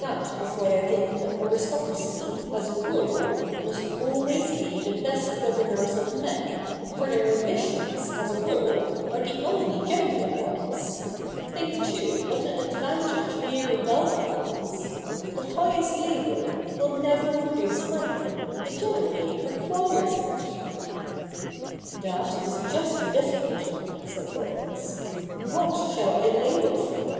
That is why I think an aristocracy, as a rule, must always be the best governors of men, for their ambitions, as a rulcj are the only genuine ones. Think, too, what an advantage mere wealth is. The highest labour will never produce money, but generally requires it.' ' That is just the difficulty,' said Laurence. ' What shall I labour for